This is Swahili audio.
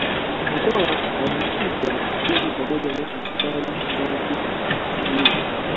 Mkwawa alijificha msituni pamoja na askari zake akasubiri